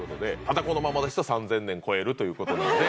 ただこのままですと３０００年超えるという事なので。